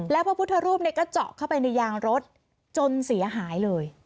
แล้วพระพุทธรูปก็เจาะเข้าไปในยางรถจนเสียหายเลย